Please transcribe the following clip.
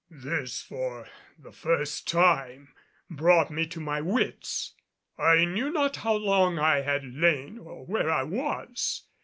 This for the first time brought me to my wits. I knew not how long I had lain or where I was.